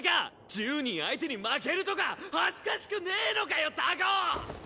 １０人相手に負けるとか恥ずかしくねえのかよタコ！